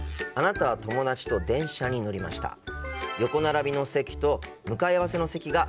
あなたは友達と電車に乗りました。